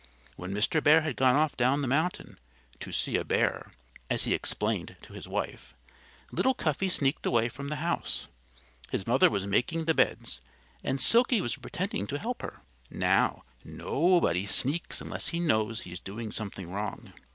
When Mr. Bear had gone off down the mountain, "to see a bear," as he explained to his wife, little Cuffy sneaked away from the house. His mother was making the beds, and Silkie was pretending to help her. Now, nobody sneaks unless he knows he is doing something wrong.